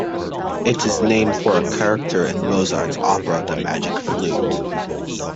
It is named for a character in Mozart's opera, "The Magic Flute".